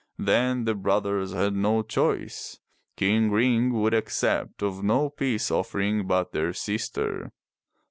Then the brothers had no choice. King Ring would accept of no peace offering but their sister.